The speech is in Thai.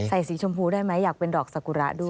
สีชมพูได้ไหมอยากเป็นดอกสกุระด้วย